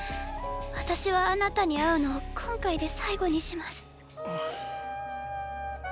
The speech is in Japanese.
私はあなたに会うのを今回で最後にします！